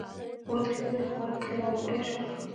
وتښتيدل!! هماغه کلي او علاقي ئی شاړ شول،